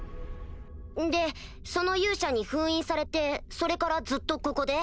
でその勇者に封印されてそれからずっとここで？